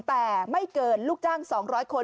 แต่ไม่เกินลูกจ้าง๒๐๐คน